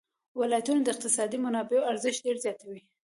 ولایتونه د اقتصادي منابعو ارزښت ډېر زیاتوي.